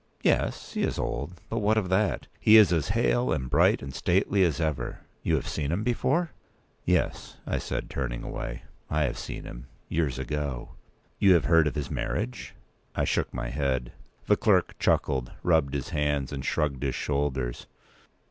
"Yes, he is old; but what of that? He is as hale, and bright, and stately as ever. You have seen him before?" "Yes," I said, turning away; "I have seen him—years ago." "You have heard of his marriage?" I shook my head. The clerk chuckled, rubbed his hands, and shrugged his shoulders.